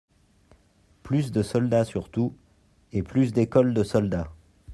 Plus de soldats surtout, et plus d'écoles de soldats.